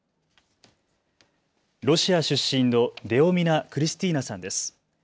ロシア出身のデォミナ・クリスティーナさんです。